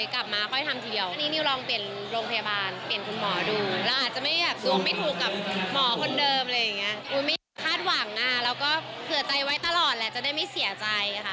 คุณไม่คาดหวังนะแล้วก็เผื่อใจไว้ตลอดแหละจะได้ไม่เสียใจค่ะ